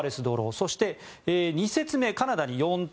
そして、２節目カナダに４点。